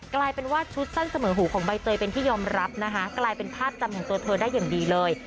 กลายเป็นว่าชุดสั้นเสมอหูของใบเตยเป็นที่ยอมรับนะคะกลายเป็นภาพจำของตัวเธอได้อย่างดีเลย